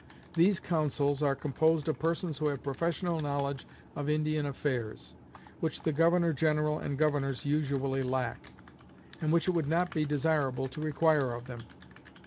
These councils are composed of persons who have professional knowledge of Indian affairs, which the governor general and governors usually lack, and which it would not be desirable to require of them.